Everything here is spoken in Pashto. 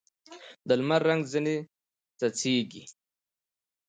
د لمر رنګ ځیني څڅېږي